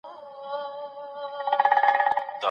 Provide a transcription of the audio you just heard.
ملکیت د کار او زیار پایله ده.